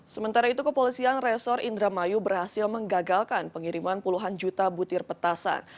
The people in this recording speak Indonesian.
sementara itu kepolisian resor indramayu berhasil menggagalkan pengiriman puluhan juta butir petasan